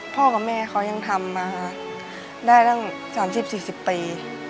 พ่อกับแม่เขายังทำมาได้ตั้ง๓๐๔๐ปี